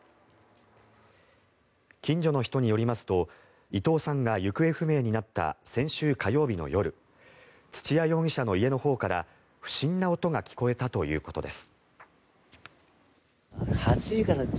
近所の人によりますと伊藤さんが行方不明になった先週火曜日の夜土屋容疑者の家のほうから不審な音が聞こえたということです。